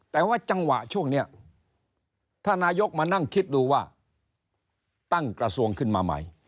แต่ว่าจังหวะช่วงนี้ถ้านายกมานั่งคิดดูว่าตั้งกระทรวงขึ้นมาใหม่